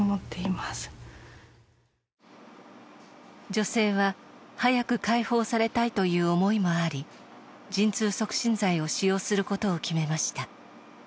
女性は早く解放されたいという思いもあり陣痛促進剤を使用することを決めました。